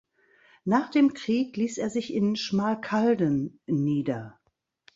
Nach dem Krieg ließ er sich in Schmalkalden nieder.